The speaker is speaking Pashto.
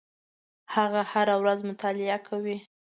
هغه هره ورځ مطالعه کوي.